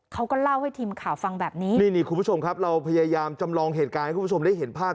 เขาก็เล่าให้ทีมข่าวฟังแบบนี้นี่นี่คุณผู้ชมครับเราพยายามจำลองเหตุการณ์ให้คุณผู้ชมได้เห็นภาพ